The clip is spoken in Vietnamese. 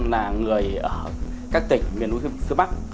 là người ở các tỉnh miền núi phía bắc